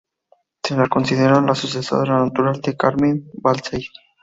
Se la considera la sucesora natural de Carmen Balcells.